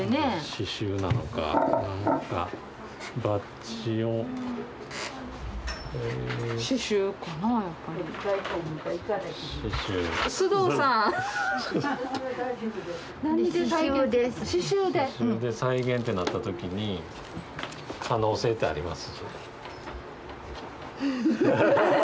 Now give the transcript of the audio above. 刺しゅうで再現ってなったときに可能性ってあります？